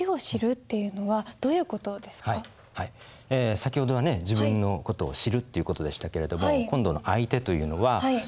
先ほどはね自分の事を知るっていう事でしたけれども今度の「相手」というのはこういう事ですね。